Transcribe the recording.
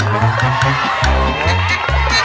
ทำคือ